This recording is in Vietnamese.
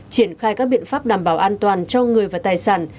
triển khai các biện pháp đảm bảo an toàn cho người và tài sản